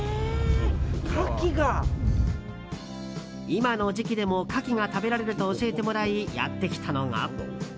今の時期でもカキが食べられると教えてもらいやってきたのが。